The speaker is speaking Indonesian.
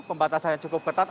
pembatasan yang cukup ketat